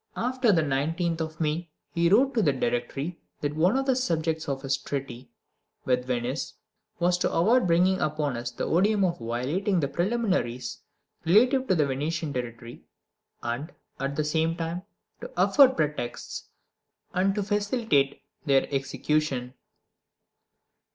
After the 19th of May he wrote to the Directory that one of the objects of his treaty with Venice was to avoid bringing upon us the odium of violating the preliminaries relative to the Venetian territory, and, at the same time, to afford pretexts and to facilitate their execution.